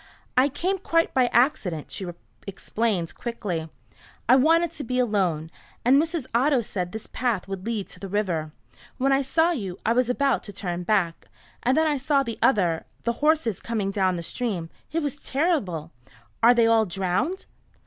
"I came quite by accident," she explained quickly. "I wanted to be alone, and Mrs. Otto said this path would lead to the river. When I saw you I was about to turn back. And then I saw the other the horses coming down the stream. It was terrible. Are they all drowned?"